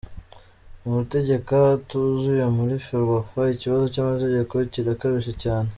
Amategeko atuzuye muri Ferwafa: Ikibazo cy’amategeko kirakabije cyane.